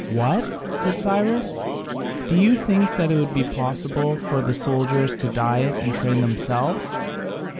"What!" said Cyrus; "do you think it will be possible for the soldiers to diet and train themselves?"